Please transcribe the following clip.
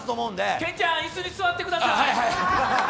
健ちゃん、椅子に座ってください。